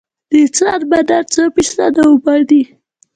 د انسان بدن څو فیصده اوبه دي؟